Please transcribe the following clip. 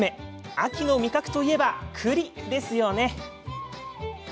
秋の味覚といえば、くりですよね。